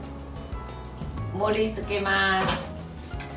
盛りつけます。